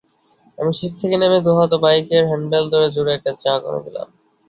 আমি সিট থেকে নেমে দুহাতে বাইকের হ্যান্ডেল ধরে জোরে একটা ঝাঁকুনি দিলাম।